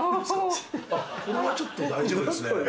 あっこれはちょっと大丈夫ですね